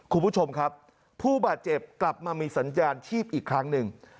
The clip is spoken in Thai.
คุณผู้ชมครับผู้บาดเจ็บกลับมามีสัญญาณชีพอีกครั้งหนึ่ง